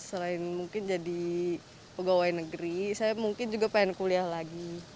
selain mungkin jadi pegawai negeri saya mungkin juga pengen kuliah lagi